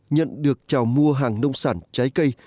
nhận được trào mua hàng nông sản trái cây